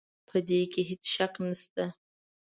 په دې کې هېڅ شک نه شته.